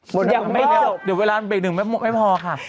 หมดแล้วไม่จบเดี๋ยวเวลาเป็นหนึ่งไม่พอค่ะ